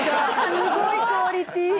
すごいクオリティー。